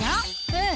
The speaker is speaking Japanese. うん！